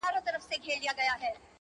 زه بې له تا گراني ژوند څه كومه;